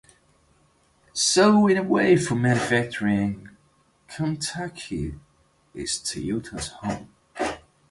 So in a way, for manufacturing, Kentucky is Toyota's home.